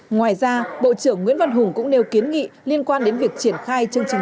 ngoài ra bộ trưởng nguyễn văn hùng cũng nêu kiến nghị liên quan đến việc triển khai chương trình